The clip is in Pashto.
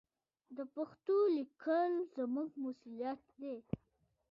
د پښتو لیکل زموږ مسوولیت دی.